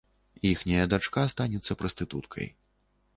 Іхняя дачка станецца прастытуткай.